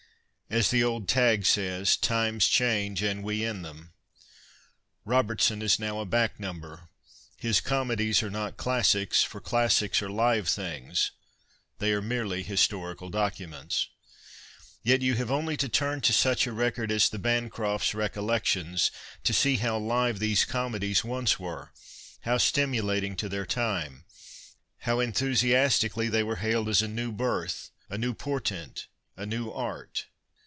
As the old tag says, times change and we in them. Robertson is now a " back number." His comedies are not classics, for classics are live things ; they are merely historical documents. Yet you have only to turn to such a record as '* The Bancrofts' Recollections " to see how live these comedies once were, how stimu lating to their time, how enthusiastically they were hailed as a new ])irth, a new portent, a new art.